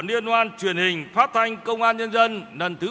liên hoan truyền hình phát thanh công an nhân dân lần thứ